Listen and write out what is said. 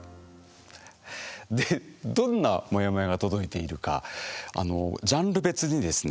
どんなモヤモヤが届いているかあのジャンル別にですね